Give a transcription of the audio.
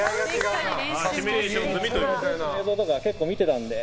映像とかは結構、見てたので。